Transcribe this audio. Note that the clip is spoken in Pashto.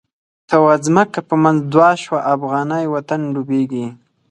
ته واځمکه په منځ دوه شوه، افغانی وطن ډوبیږی